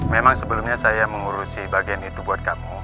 memang sebelumnya saya mengurusi bagian itu buat kamu